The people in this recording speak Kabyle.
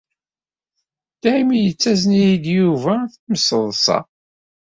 Dayem yettazen-iyi-d Yuba timseḍsa.